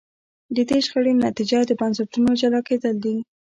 د دې شخړو نتیجه د بنسټونو جلا کېدل دي.